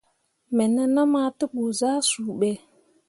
Me nenum ah te ɓu zah suu ɓe.